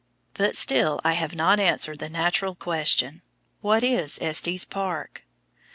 But still I have not answered the natural question, "What is Estes Park?"